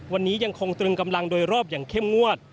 วันนี้ยังคงตรึงกำลังโดยรอบอย่างเข้มงวด